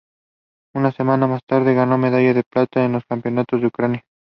Una semana más tarde, ganó la medalla de plata en los Campeonatos de Ucrania.